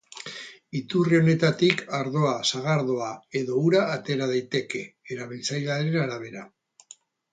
Iturri honetatik ardoa, sagardoa edo ura atera daiteke, erabiltzailearen arabera.